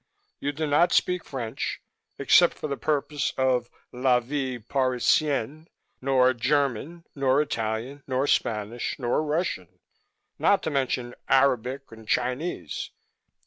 You do not speak French except for the purpose of 'La Vie Parisienne' nor German nor Italian nor Spanish nor Russian, not to mention Arabic and Chinese.